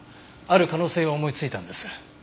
ある可能性を思いついたんです。